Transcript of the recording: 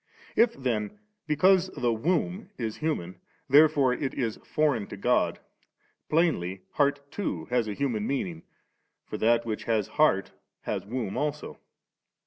If then, because the ' womb ' is human, therefore it is foreign to God, plainly 'heart' too has a human meaning ^ for that which has heart has womb also.